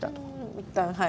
いったんはい。